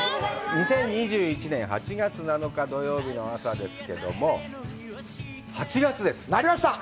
２０２１年８月７日土曜日の朝ですけども８月ですなりました